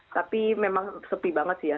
tapi memang sepi banget sih ya